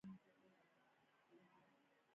چې د کليوالو مرستې ته دې څوک راولېږي.